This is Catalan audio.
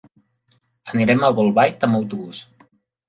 Anirem a Bolbait amb autobús.